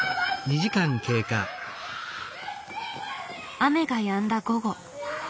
雨がやんだ午後。